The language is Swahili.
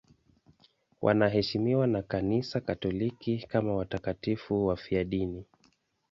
Wanaheshimiwa na Kanisa Katoliki kama watakatifu wafiadini.